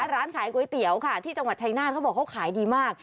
ร้านขายก๋วยเตี๋ยวค่ะที่จังหวัดชายนาฏเขาบอกเขาขายดีมาก